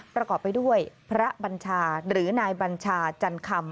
ประกอบไปด้วยพระบัญชาหรือนายบัญชาจันคำ